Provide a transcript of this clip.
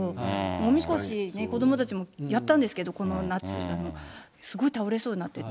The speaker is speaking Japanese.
おみこしね、子どもたちもやったんですけど、この夏、すごい倒れそうになってて。